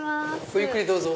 ごゆっくりどうぞ。